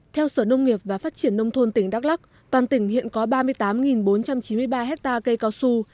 theo sở nông nghiệp và phát triển nông thôn tỉnh đắk lắc toàn tỉnh hiện có ba mươi tám bốn trăm chín mươi ba hectare cây cao su